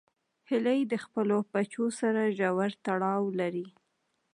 هیلۍ د خپلو بچو سره ژور تړاو لري